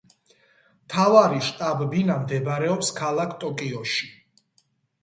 მთავარი შტაბ-ბინა მდებარეობს ქალაქ ტოკიოში.